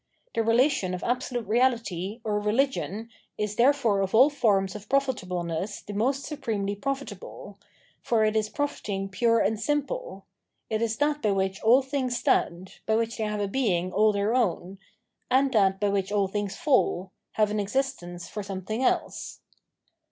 The relation to Absoliute Reahty, or Rehgion, is therefore of all forms of profitableness the most supremely profitable;* for it is profiting pure and simple ; it is that by which all things stand — by which they have a being all their own— [and that by which all things fall — have an existeijice for something else.